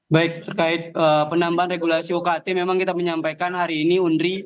baik terkait penambahan regulasi ukt memang kita menyampaikan hari ini undri